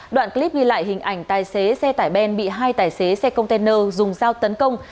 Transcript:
đoạn clip ghi lại hình ảnh tài xế xe tải ben bị hai tài xế xe container dùng dao tấn công